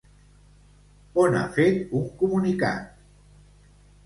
On ha fet un comunicat?